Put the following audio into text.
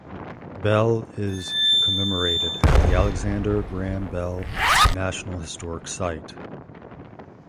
Bell is commemorated at the Alexander Graham Bell National Historic Site.